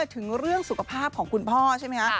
ถึงเรื่องสุขภาพของคุณพ่อใช่ไหมคะ